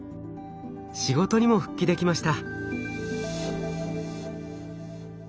仕事にも復帰できました。